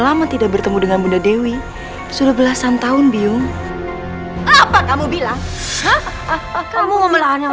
lama tidak bertemu dengan bunda dewi sudah belasan tahun bingung apa kamu bilang hahaha kamu mau melarang